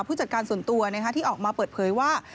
ผู้จัดการส่วนตัวที่ออกมาเปิดเผยว่า